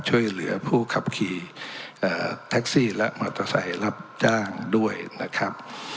ช่วยเหลือผู้ขับขี่แท็กซี่และมอเตอร์ไซค์รับจ้างด้วยนะครับ